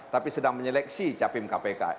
tapi sedang menyeleksi capim kpk